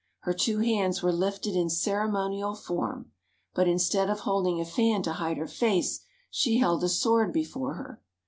Her two hands were lifted in ceremonial form, but instead of holding a fan to hide her face she held a sword before her.